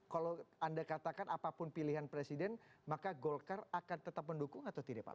kalau anda katakan apapun pilihan presiden maka golkar akan tetap mendukung atau tidak pak